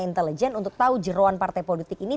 intelijen untuk tahu jeruan partai politik ini